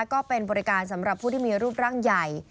ก็เป็นบริการสำหรับผู้ที่มีรูปร่างใหญ่